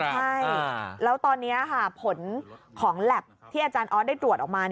ใช่แล้วตอนนี้ค่ะผลของแล็บที่อาจารย์ออสได้ตรวจออกมา